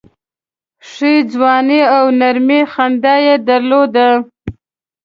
ښې ځواني او نرمي خندا یې درلوده.